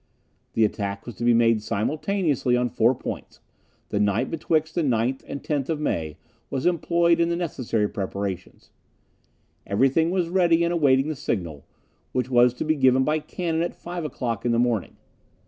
The attack was to be made simultaneously on four points; the night betwixt the 9th and 10th of May, was employed in the necessary preparations. Every thing was ready and awaiting the signal, which was to be given by cannon at five o'clock in the morning.